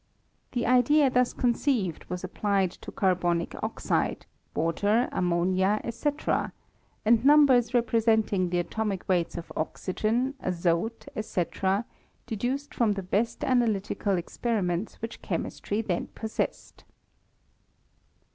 The idea thus conceived was applied to carbonic oxide, u 2 vater ammonia, &c. ; and numbers representing tlie atomic weights of oxygen, azote, &c., deduced from the best analytical experiments which chemistry then possessed.